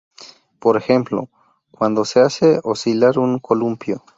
Por ejemplo, cuando se hace oscilar un columpio.